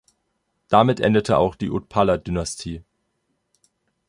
Damit endete auch die Utpala-Dynastie.